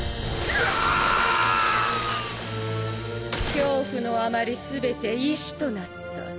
恐怖のあまり全て石となった。